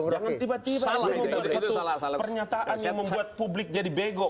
jangan tiba tiba lah membuat satu pernyataan yang membuat publik jadi bego